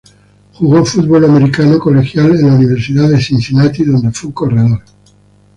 Jugó fútbol americano colegial en la Universidad de Cincinnati, donde fue un corredor.